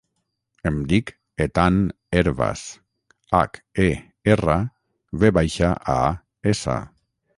Em dic Ethan Hervas: hac, e, erra, ve baixa, a, essa.